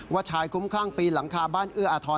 ว่าชายคุ้มข้างปีหลังคาบ้านเอื้ออาทร